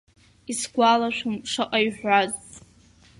Исгәалашәом шаҟа иҳәаз.